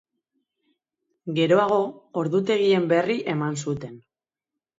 Geroago, ordutegien berri eman zuten.